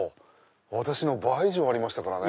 私の倍以上ありましたからね。